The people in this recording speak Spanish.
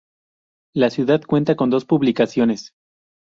La ciudad cuenta con dos publicaciones.